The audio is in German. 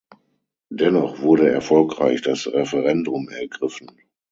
Dennoch wurde erfolgreich das Referendum ergriffen.